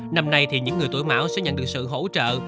năm nay thì những người tuổi mão sẽ nhận được sự hỗ trợ